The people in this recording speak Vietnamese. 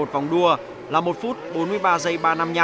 một vòng đua là một phút bốn mươi ba giây ba trăm năm mươi năm